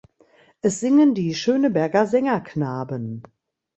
Es singen die Schöneberger Sängerknaben.